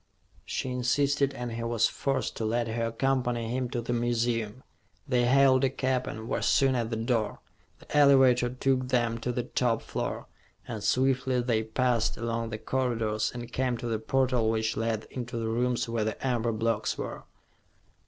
She insisted and he was forced to let her accompany him to the museum. They hailed a cab and were soon at the door. The elevator took them to the top floor, and swiftly they passed along the corridors and came to the portal which led into the rooms where the amber blocks were.